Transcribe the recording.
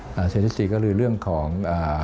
สาเหตุที่สี่ก็คือเรื่องของ